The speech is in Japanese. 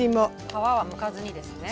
皮はむかずにですね。